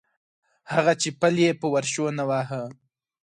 هغه چې پل یې په ورشو نه واهه.